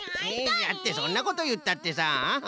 えだってそんなこといったってさ。